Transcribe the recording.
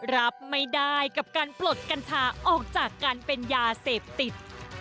รับไม่ได้กับการปลดกัญชาออกจากการเป็นยาเสพติด